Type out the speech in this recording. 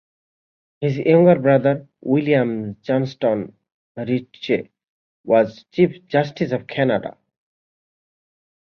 His younger brother, William Johnstone Ritchie, was Chief Justice of Canada.